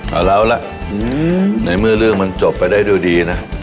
เอาแล้วล่ะในเมื่อเรื่องมันจบไปได้ด้วยดีนะ